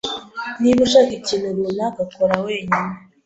Niba ushaka ikintu runaka, kora wenyine!